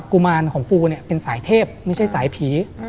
ุมารของปูเนี่ยเป็นสายเทพไม่ใช่สายผี